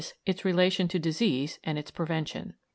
_ its relation to disease and its prevention.